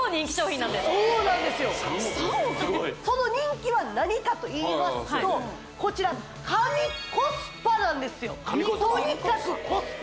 その人気は何かといいますとこちら神コスパなんですよ神コスパ？